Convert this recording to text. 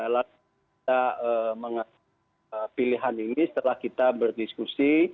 lalu kita mengambil pilihan ini setelah kita berdiskusi